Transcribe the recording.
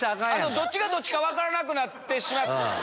どっちがどっちか分からなくなってしまって。